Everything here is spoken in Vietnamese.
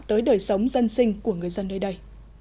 tới đời sống dân sinh của người dân nơi đây